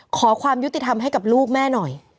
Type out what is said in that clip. ขอความยุติธรรมให้กับลูกแม่หน่อย